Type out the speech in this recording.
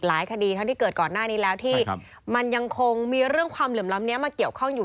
คดีเท่าที่เกิดก่อนหน้านี้แล้วที่มันยังคงมีเรื่องความเหลื่อมล้ำนี้มาเกี่ยวข้องอยู่